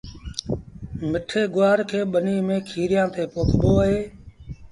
مٺي گُوآر کي ٻنيٚ ميݩ کيريآݩ تي پوکبو اهي